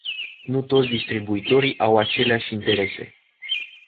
Nu toți distribuitorii au aceleași interese.